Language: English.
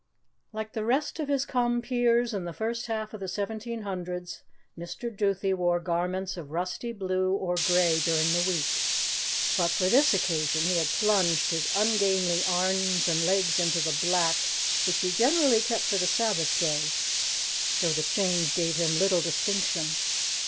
Like the rest of his compeers in the first half of the seventeen hundreds, Mr. Duthie wore garments of rusty blue or grey during the week, but for this occasion he had plunged his ungainly arms and legs into the black which he generally kept for the Sabbath day, though the change gave him little distinction.